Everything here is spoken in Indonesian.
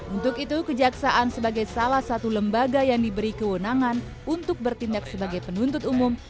untuk itu kejaksaan sebagai salah satu lembaga yang diberi kewenangan untuk bertindak sebagai penuntut umum